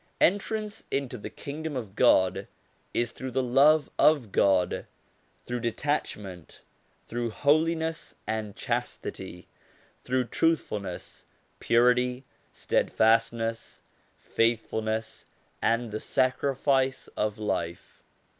Entrance into the Kingdom is through the love of God, through detachment, through holiness and chastity, through truthfulness, purity, steadfastness, faithfulness, and the sacrifice of life.